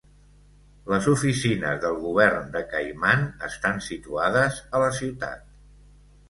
Les oficines del govern de Caiman estan situades a la ciutat.